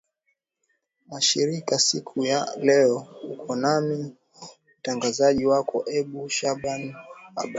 masharaki siku ya leo uko nami mtangazaji wako ebi shaban abdala